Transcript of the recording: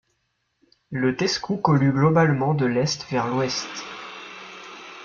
Le Tescou colue globalement de l'est vers l'ouest.